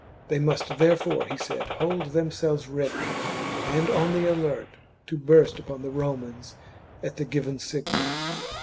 They must therefore, he said, hold themselves ready and on the alert to burst upon the Romans at the given signal.